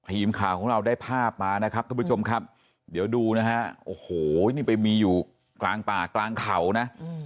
ทีมข่าวของเราได้ภาพมานะครับทุกผู้ชมครับเดี๋ยวดูนะฮะโอ้โหนี่ไปมีอยู่กลางป่ากลางเขานะ